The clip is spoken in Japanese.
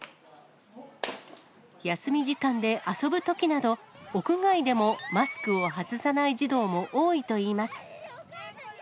休み時間で遊ぶときなど、屋外でもマスクを外さない児童も多いといいます。